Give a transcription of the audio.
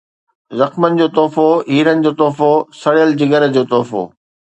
زخمن جو تحفو، هيرن جو تحفو، سڙيل جگر جو تحفو